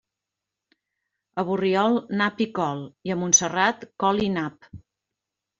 A Borriol, nap i col, i a Montserrat, col i nap.